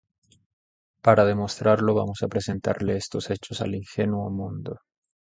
Para demostrarlo vamos a presentarle estos hechos al ingenuo mundo.